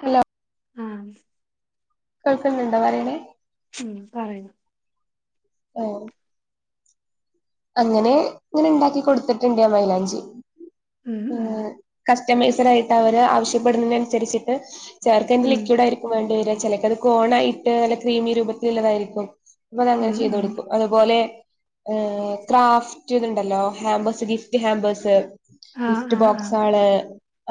Hello ആഹ് കേൾക്കുന്ന്ണ്ടോ പറിണെ? ഉം, പറയൂ. ഓഹ് അങ്ങനെ ഇങ്ങനെ ഉണ്ടാക്കി കൊടുത്തിട്ടുണ്ട് ഞാൻ മൈലാഞ്ചി. ഉം [unintelligible] കസ്റ്റമൈസർ ആയിട്ട് അവര്, ആവശ്യപ്പെടുന്നതിനനുസരിച്ചിട്ട്, ചേർക്ക ഉം അയ്ന്റെ ഉം ലിക്വിഡ് ആയിരി ക്കും വേണ്ടി വരാ. ചെലക്കത് കോണായിട്ട് നല്ല ക്രീമി രൂപത്തിലുള്ളതായിരിക്കും. അപ്പൊതങ്ങനെ ഉം ചെയ്തു ഉം കൊടുക്കും. അതുപോലെ ഏഹ് ക്രാഫ്റ്റ് ഇത് ഇണ്ടല്ലോ. Hampers gift hampers. ആഹ് ഗിഫ്റ്റ് ആഹ് ആഹ് ബോക്സേള്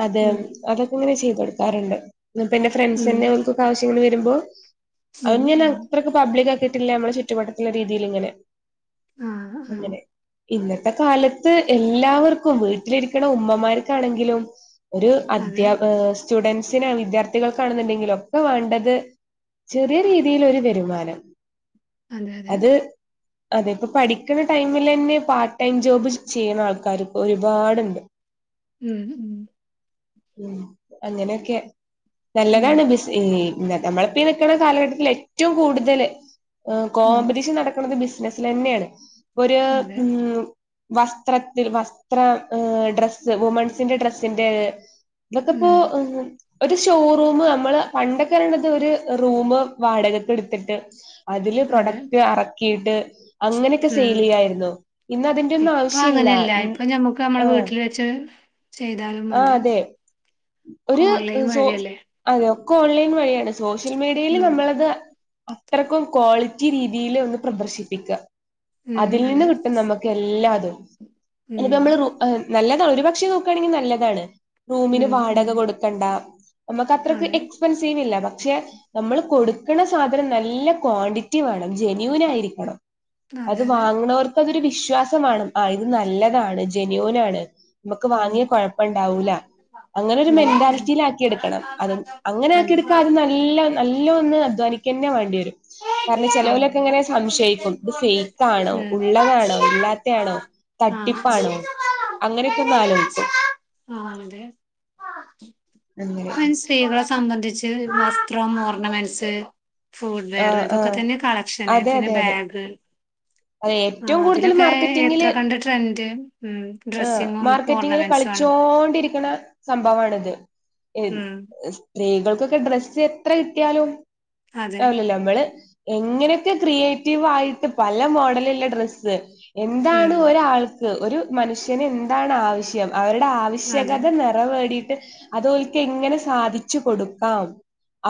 അത് ഉം അതൊക്കെ ഇങ്ങനെ ചെയ്ത് കൊടുക്കാറ്ണ്ട്. ഇന്ന്പ്പന്റെ ഉം ഫ്രണ്ട്സന്നെ ഓൺക്കൊക്കെ ആവശ്യങ്ങൾ വരുമ്പോ, ഉം അതൊന്നും ഞാൻ ഉം അത്ര ക്ക് പബ്ലികാക്കീട്ടില്ല. നമ്മളെ ചുറ്റുവട്ടത്തുള്ള രീതിയിലിങ്ങെനെ. ആഹ് ആഹ് അങ്ങനെ. ഇന്നത്തെ കാലത്ത് എല്ലാവർക്കും വീട്ടിലിരിക്ക്ണ ഉമ്മമാർക്കാണെങ്കിലും ഒരു അതെ അധ്യാപ ഏഹ് സ്റ്റുഡൻസിനാ വിദ്യാർത്ഥികൾക്കാണെന്നുണ്ടെങ്കിലും ഒക്കെ വേണ്ടത് ചെറിയ രീതിലൊരു വെരുമാനം. അതെ അതെ അത് അതെ ഇപ്പോ പഠി ക്ക്ണ ടൈമിലെന്നെ പാർട്ട് ടൈം ജോബ് ചെയ്യ്ണ ആൾക്കാർ ഇപ്പ ഒരുപാട്ണ്ട്. ഉം ഉം. ഉം, അങ്ങനെയൊക്കെ, ഉം നല്ലതാണ് ബിസ് ഈ ഇന്നത്തെ നമ്മള് പ്പീ നിക്ക്ണ കാലഘട്ടത്തിലെറ്റവും കൂടുതൽ ഏഹ് ഉം കോമ്പറ്റിഷൻ നട ക്ക്ണത് ബിസിനസ് ലെന്നേണ്. ഇപ്പൊ ഒര് അതെ ഉം വസ്ത്രത്തിൽ വസ്ത്ര ഏഹ് ഡ്രസ്സ് വുമൻസിന്റെ ഡ്രസ്സിന്റെഹ് തൊക്കപ്പോ ഉം [unintelligible] ഒരു ഷോറൂമ് നമ്മള് പണ്ടൊക്കെ പറിണത് ഒരു റൂമ് വാടകക്ക് ഇട്ത്തിട്ട് അതില് അതെ പ്രൊഡക്റ്റ് അറക്കീട്ട് അങ് ഉം, ഒന്നും ഇപ്പ ആവശ്യല്ല. അങ്ങന്യല്ല, ഉം ഇപ്പം ഞമ്മക്ക് ഞമ്മള് ആഹ് വീട്ടിൽ വെച്ച് ചെയ്താലും ആഹ് മതി. അതെ ഒക്കെ ഒരു ഓൺലൈൻ സോ വഴിയല്ലേ അതെ ഒക്കെ ഓൺലൈൻ വഴിയാണ് സോഷ്യൽ മീഡിയയില് ഉം നമ്മളത് അത്രക്കും ക്വാളിറ്റി രീതിയിലൊന്ന് പ്രദർശിപ്പിക്കാ. ഉം അതിൽ നിന്ന് അതെ കിട്ടും നമു ക്കെല്ലാതും ഇനിപ്പം ഉം നമ്മള് റു എഹ് നല്ലതാണ് ഒരു പക്ഷെ നോക്കാണെങ്കി നല്ലതാണ്. റൂമിന് ഉം ഉം വാടക കൊടുക്കണ്ട നമുക്ക് അത്രക്ക് അതെ എക്സ്പെൻസീവില്ല പക്ഷെ നമ്മള് കൊടുക്ക്ണ സാധനം നല്ല ക്വാണ്ടിറ്റി വേണം ജെനുവിൻ ആയിരിക്കണം. അതെ അത് അതെ വാങ്ങ്ണവർക്കതൊരു വിശ്വാസം മാണം. ആഹ് ഇത് നല്ലതാണ് ജെന്യുവിനാണ്. മ്മക്ക് ഉം വാങ്ങിയ കൊഴപ്പണ്ടാവൂല. അങ്ങനെ ഒരു ഉം ഉം മെന്റാലിറ്റീല് ആക്കി എടുക്കണം അത് അങ്ങനെ അതെ ആക്കിട്ക്കാ അത് നല്ല നല്ല ഒന്ന് അധ്വാനിക്കന്നെ വാണ്ടി വരും. ഉം കാരണം [unintelligible] ചിലവലൊക്കെ ഇങ്ങനെ സംശയിക്കും ഇത് ഫേക്ക് ആണോ ഉള്ളതാണോ ഇല്ലാത്തയാണോ തട്ടിപ്പാണോ അങ്ങനെയൊക്കെ ഒന്ന് ആലോചിക്കും ആഹ് ആഹ് അതെ. അങ്ങനെ അയ്ൻ സ്ത്രീകളെ സംബന്ധി ച്ച് വസ്ത്രം ഓർണമെന്റ്സ് ഫൂഡ് വേറെ ആഹ് ഇതൊക്കെ ആഹ് തന്നെ കളക്ഷന് അതെ പിന്നെ അതെ അതെ ബാഗ് അതെ ആഹ് ഏറ്റവും കൂടുതൽ അതിലൊക്കെ എത്ര കണ്ട് ട്രെൻഡ്. ഉം ഏഹ് ഡ്രെസ്സിങ്ങും മാർക്കറ്റിങ്ങിൽ ഓർണമെന്റ്സും ആണ് കളിച്ചോണ്ടിരിക്ക്ണ സംഭവാണ്ത്. ഉം സ്ത്രീകൾക്കൊക്കെ ഡ്രസ്സ് എത്ര കിട്ട്യാലും അതെ അല്ലല്ല നമ്മള് എങ്ങനെയൊക്കെ ക്രിയേറ്റീവ് ആയിട്ട് പല മോഡല് ല്ല ഡ്രസ്സ് എന്താണ് ഉം ഒരാൾ ക്ക് ഒരു മനുഷ്യന് എന്താണ് ആവശ്യം അവരുടെ അതെ ആവശ്യകത നെ വേടീറ്റ് അത് ഓൽക്ക് എങ്ങനെ സാധിച്ചു കൊടുക്കാം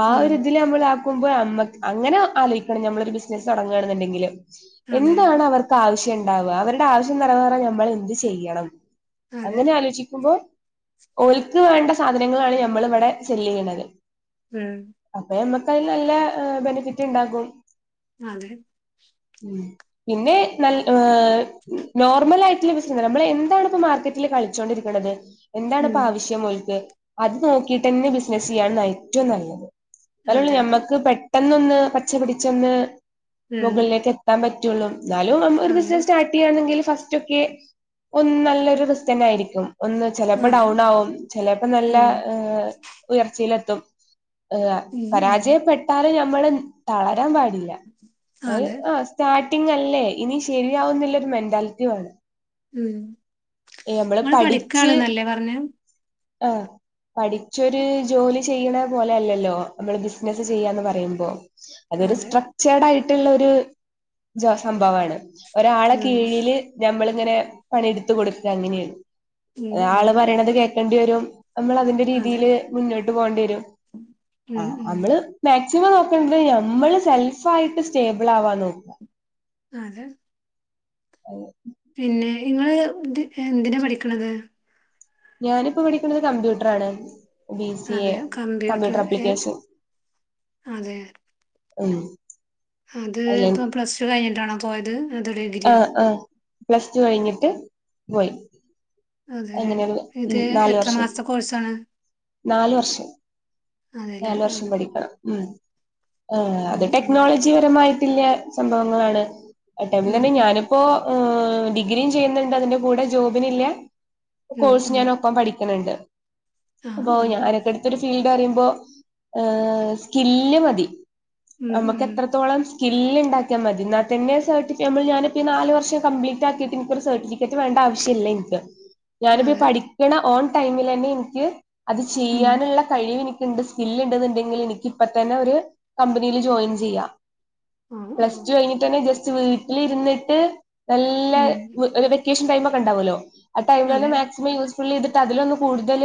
ആ ഉം ഒരിതില് നമ്മള് ക്കുമ്പോ അമ്മക്ക് അങ്ങനെ ആലോയ്ക്കണം ഞമ്മളൊരു ബിസിനസ് തൊടങ്ങാണ് ന്ന് ന്നിണ്ടെങ്കില് അതെ എന്താണ് അവർ ക്കാവശ്യം ഉണ്ടാവ അവരുടെ ആവശ്യം നിറവേറാൻ ഞമ്മൾ എന്ത് ചെയ്യണം. അതെ അങ്ങനെ ആലോചിക്കുമ്പോ ഓൽക്ക് വേണ്ട സാധനങ്ങളാണ് ഞമ്മൾ ഇവിടെ സെല്ലെയ്യണത്. ഉം. അപ്പൊ ഞമ്മക്ക് അത് നല്ല ബെനിഫിറ്റ് ഇണ്ടാകും. അതെ. ഉം പിന്നെ നല്ല ഏഹ് നോർമലായിറ്റ് ഉള്ളെ നമ്മള് എന്താണ് ഇപ്പ മാർക്കറ്റില് കളിച്ചോണ്ടിരിക്കണത് എന്താണ് ഇപ്പ ഉം ആവശ്യം ഓൽക്ക്? അത് നോക്കിയിട്ടന്നെ ബിസിനസ്സ് ചെയ്യാണ് ഏറ്റവും നല്ലത് ന്നാലുള്ളു അതെ അതെ ഞമ്മക്ക് പെ ട്ടെന്നൊന്ന് പച്ച പിടിച്ചൊന്ന് ഉം മുകളിലേക്ക് എ ത്താൻ പറ്റുള്ളൂ എന്നാലും ഒരു അതെ ബിസിനസ് സ്റ്റാർട്ട് ചെയ്യണെങ്കിൽ ഫസ്റ്റ് ഒക്കെ ഒന്ന് നല്ലൊരു [unintelligible] ആയിരിക്കും ഒന്ന് ചെലപ്പോ അതെ ഡൗൺ ആവും ചെലപ്പോ നല്ല ഉം ഏഹ് ഉയർച്ചയിലെത്തും ഏഹ് ഉം ഉം പരാജയപ്പെട്ടാല് ഞമ്മള് തളരാൻ പാടില്ല. അത് അതെ ആഹ് സ്റ്റാർട്ടിങ് അല്ലേ ഇനി ശരിയാവുന്നില്ലോരു മെന്റാലിറ്റി വേണം. ഉം ഏ, നമ്മള് ങ്ങള് പഠിക്കാണ്ന്ന് അല്ലേ പറഞെ? ആഹ് പഠിച്ചൊരു ജോലി ചെയ്യിണ പോലെ അല്ലല്ലോ നമ്മള് ബിസിനസ്സ് ചെയ്യാന്ന് പറീമ്പോ. അതൊരു അതെ സ്‌ട്രക്. ചേടായിട്ടുള്ള ഒരു ജ സംഭവമാണ് ഒരാളെ ഉം കീഴില് ഞമ്മളിങ്ങനെ പണിയെടുത്ത് കൊടുക്ക അങ്ങനെണ് ഉം അ ഉം ആള് പറയണത് കേക്കേണ്ടി വെരും നമ്മൾ അതിന്റെ അതെ രീതിയില് മുന്നോട്ട് പോണ്ടി വരും ഉം ആഹ് ഉം നമ്മള് മാക്സിമം നോക്കണ്ടത് നമ്മള് സെൽഫ് ആയിട്ട് സ്റ്റേബിൾ ആവാന്ന് നോക്ക. അതെ. [inaudible] പിന്നെ ഇങ്ങള് ഇത് എന്തിനാ പഠിക്കണത്? ഞാനിപ്പ പഠിക്കുന്നത് കമ്പ്യൂട്ടറാണ്. ബി സി എ അതെ കമ്പ്യൂട്ടർ ഏ ആപ്ലിക്കേഷൻ അതെ ഉം. അത് അല്ലെ ഇപ്പ പ്ലസ് ടു കഴിഞ്ഞിട്ടാണോ പോയത്? അതോ ഡിഗ്രിയോ ആഹ് ആഹ് പ്ലസ് ടു കഴിഞ്ഞിട്ട് പോയി. അതെല്ലേ അങ്ങനെ [unintelligible] ഇത് ഉം നാല് എത്ര വർഷം മാസത്തെ കോഴ്സാണ് നാല് വർഷം അതെല്ലേ നാല് ആ വർഷം പഠിക്കണം ഉം. ആഹ് അത് ഉം ഉം ടെക്നോളജി പരമായിട്ടില്ലെ സംഭവങ്ങളാണ്. ആ ടൈമിൽ ഉം തന്നെ ഉം ഞാനിപ്പോ ഡിഗ്രിയും ചെയ്യുന്നുണ്ട് അതിന്റെ കൂടെ ജോബിനില്ലെ ഉം കോഴ്സ് ഉം ഞാന് ഒപ്പം പഠിക്കണിണ്ട് ആ അപ്പൊ ആ ഞാനോക്കെ എട് ഒരു ഫീൽഡ് പറയുമ്പോ സ്കില്ല് മതി ഉം നമുക്ക് ഉം എത്ര തോളം സ്കില്ല് ഉണ്ടാക്കിയാൽ മതി എന്നാൽ തന്നെ സർട്ടി നമ്മൾ ഞാനിപ്പോൾ നാല് വർഷം കംപ്ലീറ്റ് ആക്കിയിട്ട് എനിക്കൊരു സർട്ടിഫിക് ക്കേറ്റ് വേണ്ട ആവശ്യില്ല എനിക്ക്. ഞാനിപ്പോ അതെ പഠിക്കണ ഓൺ ടൈമിലന്നെ എനിക്ക് അത് ഉം ചെയ്യാനുള്ള കഴിവ് എനിക്കുണ്ട് സ്കില്ല് ഉണ്ടെന്നുണ്ടെങ്കിൽ എനിക്ക് ഇപ്പ തന്നെ ഒരു കമ്പനിൽ ജോയിൻ ചെയ്യാം. ആ പ്ലസ് ആ ടു കഴിഞ്ഞിട്ട് തന്നെ ജസ്റ്റ് വീട്ടിലിരുന്നിട്ട് നല്ല ഉം ഒരു വെക്കേഷൻ ടൈം ഒക്കെ ഉണ്ടുവല്ലോ ആ ടൈമിൽ അതെ മാക്സിമം യൂസ് [unintelligible] ട്ട് അതിലൊന്ന് കൂടുതൽ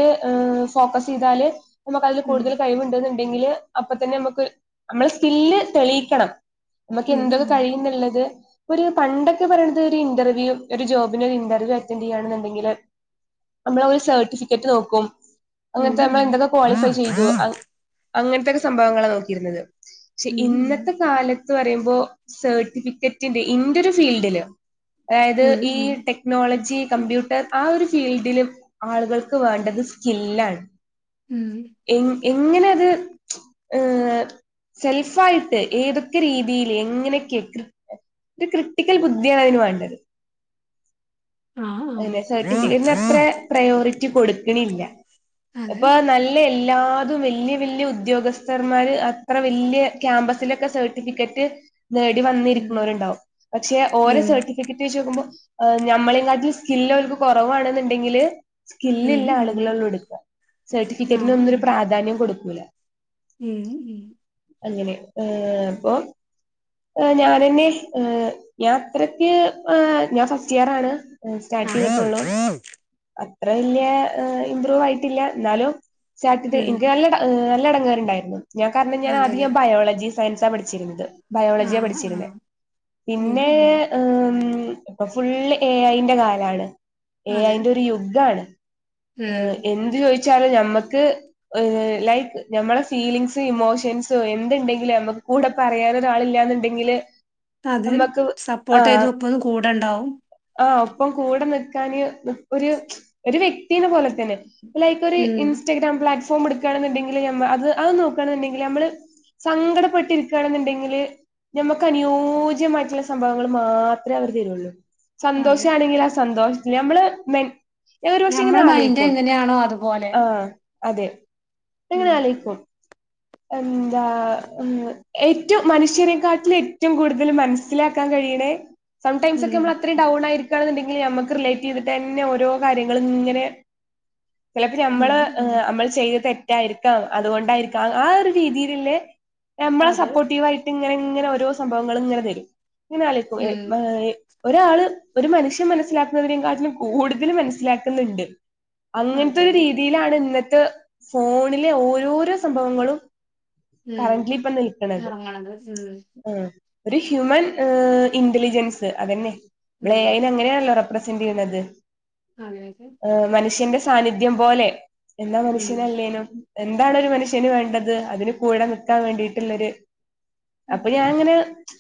ഫോക്കസ് ചെയ്താല് നമുക്ക് അതിൽ ഉം കൂടുതൽ കഴിവ് ഉണ്ട്ന്ന് ഉണ്ടെങ്കില് അപ്പ തന്നെ നമക്ക് നമ്മളെ സ്കില്ല് തെളിയിക്കണം. നമുക്ക് ഉം എന്തൊക്കെ ഉം കഴിയുന്നുള്ളത് ഒരു പണ്ടൊക്കെ പറയണത് ഒരു ഇന്റർവ്യൂ ഒരു ജോബിനെ ഒരു ഇന്റർവ്യൂ അറ്റൻഡ് ചെയ്യാണ് ന്ന്‌ ഇണ്ട [unintelligible] നമ്മളെ സർട്ടിഫിക്കറ്റ് നോക്കും ഉം ഉം അങ്ങനത്തെ അമ്മ ഉം എന്തൊക്കെ ക്വാളിഫൈ ചെയ്തു. ഉം അങ്ങനത്തെക്കെ സംഭവങ്ങളാണ് നോക്കിയിരുന്നത്. പക്ഷെ ഇന്നത്തെ കാലത്ത് പറയുമ്പോ. സർട്ടിഫിക്കറ്റിന്റെ ഇന്റെ ഒരു ഫീൽഡില് അതായത്. ഉം ഈ ഉം ടെ ടെക്നോളജി കമ്പ്യൂട്ടർ ആ ഒരു ഫീൽഡിലും ആളുകൾക്ക് വേണ്ടത് സ്കില്ലാണ്. ഉം എ എങ്ങനെത് ഏഹ് സെൽഫായിട്ട് ഏതൊക്കെ രീതിയിൽ എങ്ങനെയൊക്കെ ഒരു ക്രിട്ടിക്കൽ ബുദ്ധിയാണ് അതിന് വേണ്ടത് ആ അങ്ങനെ സർട്ടിഫിക്കറ്റന് ആ അത്ര പ്രയോറിറ്റി കൊടുക്കണില്ല. അതെ അപ്പൊ നല്ല എല്ലാതും വലിയ വലിയ ഉദ്യോഗസ്ഥർ മാര് അത്ര വലിയ ക്യാമ്പസിലൊക്കെ. സ സർട്ടിഫിക്കേറ്റ്. നേടി ഉം വന്നിരിക്കുന്നവരുണ്ടാവും പക്ഷെ ഓരോ ഉം സർട്ടിഫിക്കറ്റ് വെച്ച് നോക്കുമ്പോൾ നമ്മളെ കാട്ടി സ്കില്ല് അവക്ക് കുറവാണെന്നുണ്ടെങ്കില്. ഉം സ്കില്ലില്ല ആളുകളെ ഉള്ളു ഉം എടുക്കുക സർട്ടിഫിക്കറ്റിന് ആഹ് ഒന്നും ഉം ഒരു പ്രാധാന്യം കൊടുക്കില്ല. ഉം ഉം അങ്ങനെ ഏഹ് അപ്പൊ ഞാനെന്നെ ഞാൻ അത്രയ്ക്ക് ഞാൻ ഫസ്റ്റ് ഇയർ ആണ്. സ്റ്റാർട്ട് ചെയ്തിട്ടെള്ളൂ ആഹ് അത്ര വല്യ ഇംപ്രൂവ് ആയിട്ടില്ല. എന്നാലും സാറ്റ ഉം എനിക്ക് നല്ല നല്ല എടങ്ങാർണ്ടായിരുന്നു. ഞാൻ കാരണം ഞാൻ അതെല്ലേ അധിയെ ബയോളജി സയൻസാ പഠിച്ചിരുന്നത്. ബയോളജിയ ആഹ് ആഹ് പഠിച്ചിരുന്നത്. ഉം പിന്നെ ഉം എഹ് ഇപ്പൊ ഫുള്ള് എ ഐന്റെഉ കാലാണ് എ അതെ ഐന്റെ ഒരു യുഗമാണ്. ഉം എന്ത് ചോദിച്ചാലും ഞമ്മക്ക്. ലൈക്ക് നമ്മള ഫീലിംങ്സ് ഇമോഷൻസോ എന്തുണ്ടെങ്കിലും നമ്മുക്ക് കൂടെ പറയാൻ ഒരാളില്ലാെന്നുണ്ടെങ്കില്. അത് സപ്പോർട്ട് ചെയ്ത് ഒപ്പം കൂടെണ്ടാവും. ആഹ് ഒപ്പം കൂടെ നിൽക്കാന് ഒരു ഒരു വ്യക്തി പോലെ തന്നെ. ലൈക്ക് ഒരു ഉം ഇൻസ്റ്റാഗ്രാം പ്ലാറ്റ്ഫോം എടുക്കുകയാണെന്നുണ്ടെങ്കില് അത് അത് നോക്കയാണെന്നുണ്ടെങ്കിൽ നമ്മള്. സങ്കടപ്പെട്ടിരിക്കുകയാണെന്നുണ്ടെങ്കില്. നമുക്ക് അനുയോജ്യമായിട്ടുള്ള സംഭവങ്ങൾ മാത്രമേ അവർ തരുള്ളൂ. സന്തോഷ അതെ ആണെങ്കിൽ ആ സന്തോഷത്തി നമ്മള് മെ ഞാൻ ഒരുപക്ഷെ ഇങ്ങനെ ഞമ്മളെ മൈൻഡ് ആലോയിക്കും. എങ്ങനെയാണോ അതുപോലെ ആഹ് അതെ ഞാൻങ്ങനെ ഉം ആലോയിക്കും. എന്താ ഏറ്റവും മനുഷ്യനേക്കാട്ടിൽ ഏറ്റവും കൂടുതൽ മനസ്സിലാക്കാൻ കഴിയണേ. സംടൈംസ് ഒക്കെ ഉം നമ്മൾ അത്രയും ഡൗൺ ആയിരിക്കുകയാണുണ്ടെങ്കിൽ. നമുക്ക് റിലേറ്റ് ചെയ്തിട്ട്ന്നെ ഓരോ കാര്യങ്ങളും ഇങ്ങനെ. ചിലപ്പം നമ്മള് ഉം ഉം നമ്മൾ ചെയ്ത് തെറ്റായിരിക്കാം അതുകൊണ്ടായിരിക്കാം ആ ഒരു രീതിയിലില്ലേ നമ്മളെ അതെ സപ്പോർട്ടീവായിട്ട്. ഇങ്ങനെ ഇങ്ങനെ ഓരോ സംഭവങ്ങളും ഇങ്ങനെ തരും ഇങ്ങന ഉം അലോയികും. ഒരാള് ഒരു മനുഷ്യൻ മനസ്സിലാക്കുന്നതിനേകാട്ടിലും കൂടുതൽ മനസ്സിലാക്ന്നുണ്ട്. അങ്ങനത്തെ ഒരു അതെതെ രീതിയിലാണ് ഇന്നത്തെ ഫോണിലെ ഓരോരോ സംഭവങ്ങളും. ഉം കറന്റ്ലി ഇപ്പ നിൽക്കണത്. എറങ്ങണത് ആ ഇത് ഹ്യൂമൻ ഇന്റലിജൻസ് അതന്നെ ഉം നമ്മള് ഉം അയിന് അങ്ങനെയാണല്ലോ റെ പ്രസെന്റ് ചെയ്ന്നത്. അതെ അതെ അഹ് മനുഷ്യന്റെ സാന്നിധ്യം പോലെ എന്ന ഉം മനുഷ്യനല്ലേനും. എന്താണ് ഒരു മനുഷ്യന് വേണ്ടത് അതിന് കൂടെ നിൽക്കാൻ വേണ്ടിയിട്ടുള്ളൊരു അതെ അപ്പൊ ഞാനിങ്ങനെ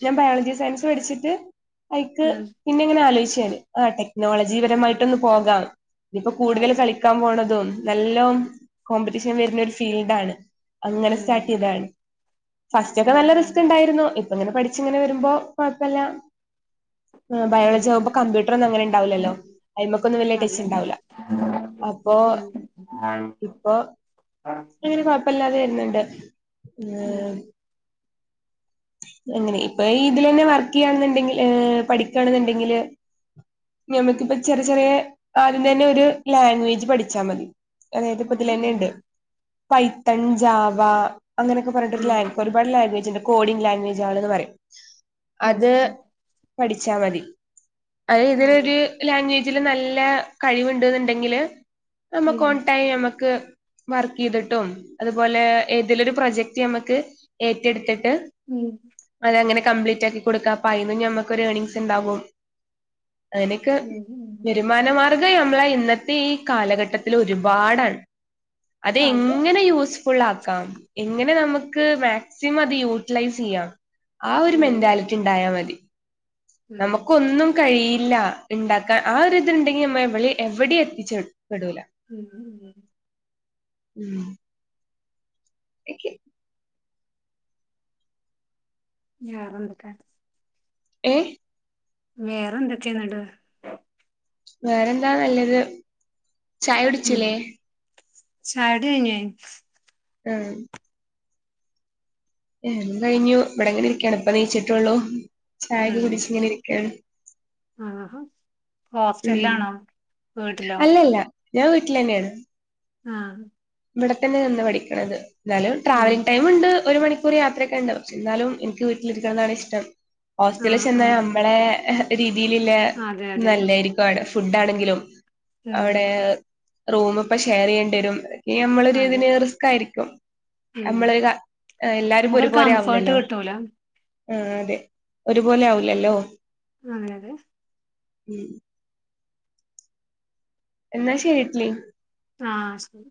ഞാൻ ബയോളജി സയൻസ് പഠിച്ചിട്ട് അയ്ക്ക് ഉം പിന്നിങ്ങനെ ആലോചിച്ചാന് ആ ടെക്നോളജിപരമായിട്ടൊന്ന് പോകാം ഇതിപ്പോ കൂടുതൽ അതെ കളി ക്കാൻ പോണതും നല്ലോം കോമ്പറ്റീഷൻ വരുന്ന ഒരു ഫീൽഡാണ് അങ്ങനെ ഉം സ്റ്റാർട്ട് ചെയ്തയാണ് ഫസ്റ്റ് ഒക്കെ ഉം നല്ല ഉം റിസ്കുണ്ടായിരുന്നു ഇപ് അങ്ങനെ പഠിച്ചിങ്ങനെ വരുമ്പോ കൊയപ്പില്ല ആഹ് ഉം ബയോളജി ആവുമ്പൊ ഉം കമ്പ്യൂട്ടർ ഒന്നും അങ്ങനെ ഇണ്ടാവൂല്ലല്ലോ അയ്‌മേക്കൊന്നും വലിയ ടച്ച്‌ അതെ ഉണ്ടാവില്ല ഇപ്പൊ ഇപ്പൊ ആഹ് അങ്ങനെ കൊഴപ്പില്ലാതെ വരുന്ന്ണ്ട് ഉം അങ്ങനെ ഇപ്പൊ ഇതിലന്നെ വർക്ക് ചെയ്യാണെന്നുണ്ടെങ്കില് പഠിക്കുകയാണെന്നുണ്ടെങ്കില് ഞമക്കിപ്പ ചെറി ചെറിയ ആദ്യം തന്നെ ഒരു ലാംഗ്വേജ് പഠിച്ചാ മതി അതായത് ഇപ്പ ആഹ് ഉം ഇതിലന്നെയിണ്ട് പൈത്തൺ ജാവ അങ്ങനെയൊക്കെ പറഞ്ഞിട്ടൊരു ഉം ലാംഗ് ഒരുപാട് ലാംഗ്വേജ് ഉണ്ട് കോഡിങ് ലാംഗ്വേജ് ആണ്ന്ന് പറയും ഉം അത് ഉം പഠിച്ചാ മതി അത് ഇതിലൊരു അറിയില്ല ലാംഗ്വേ ജില് നല്ല കഴിവുണ്ട് ന്നുണ്ടെങ്കില് നമ്മക്ക് ഉം ഓൺ ടൈ നമ്മക്ക് വർക്ക് ചെയ്തിട്ടും അതുപോലെഏതേലൊരു പ്രൊജക്ട് ഞമ്മക്ക് ഏറ്റെടുത്തിട്ട് ഉം അത് അങ്ങനെ കപ്ലീറ്റ് ആക്കി കൊടുക്കാ അപ്പ അയീന്നും ഞമ്മക്കൊരു ഏണിങ്സ് ഇണ്ടാവും അയ്നൊക്കെ ഉം ഉം വരുമാനമാർ ഗം ഈ നമ്മളെ ഇന്നത്തെ ഈ കാലഘട്ടത്തില് ഒരുപാടാണ് അത് എങ്ങനെ യൂസ്ഫുൾ ആക്കാം എങ്ങനെ നമുക്ക് മാക്സിമം അത് യൂ ട്ടിലൈസ് ചെയ്യാം ആ ഒരു അത് മെന്റാലിറ്റി ഇണ്ടായാമതി ഉം നമുക്കൊന്നും കഴിയില്ല ഇണ്ടാക്കാൻ ആ ഒരിതുണ്ടെങ്കിൽ നമ്മ എവിള എവിടെ എത്തിച്ചപ്പെടൂല ഉം ഉം ഉം ! [unintelligible] ഏഹ് വേറെന്തൊക്കെയാന്നിട്ട് വേറെന്താ നല്ലത് ചായ ഉം കുടിച്ചില്ലേ ചായകുടി കയിഞ്ഞാ ഉം ഉം കയിഞ്ഞു ഇവിടെങ്ങനിരിക്കാണ് ഇപ്പ ദേ എണീച്ചിട്ടേള്ളൂ ചായൊക്കെ ഉം കുടിച്ച് ഇങ്ങനെ ഇരിക്കാണ് ആഹാ ഉം ഹോസ്റ്റൽലാണോ വീട്ടിലോ അല്ലല്ല ഞാൻ വീട്ടിലന്നെയാണ് ആഹ് ഇവിടെ തന്നെ നിന്ന് പഠിക്കണത് എന്നാലും ട്രാവൽ ഉം ടൈം ഉണ്ട് ഒരു മണി ക്കൂറ് യാത്രയൊക്കെ ഉണ്ട് പക്ഷെ എന്നാലും എനിക്ക് വീട്ടിലിരിക്കണതാണ് ഇഷ്ടം ഹോസ്റ്റലിൽ ആഹ് ചെന്നാ ആഹ് മ്മളെ രീതിയിലില്ല അതെ അതെ നല്ലേരിക്കും അവിടെ ഫുഡാണെങ്കിലും ഉം അവിടെ റൂമിപ്പം ഷെയറെയ്യേണ്ടി വരും ഈ മ്മളൊരു അതെ ഒരിതിന് റിസ്ക് ആയിരിക്കും ഉം അമ്മള് ക ആഹ് എല്ലാരും ഇപ്പൊ നമുക്കൊരു ഒരുപോലെ കംഫേർട്ട് ആവൂല്ലല്ലോ കിട്ടൂല ആഹ് അതെ ഒരുപോലെ ആവൂല്ലല്ലോ ആരാത് ഉം എന്നാ ശരി [unintelligible] ആഹ് ശരി